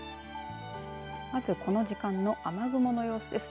まずこの時間の雨雲の様子です。